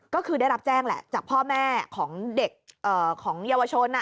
ก็คือได้รับแจ้งแหละจากพ่อแม่ของเด็กของเยาวชน